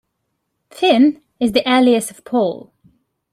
Finn is the alias of Paul.